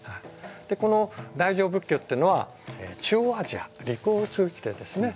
この大乗仏教っていうのは中央アジア陸を通じてですね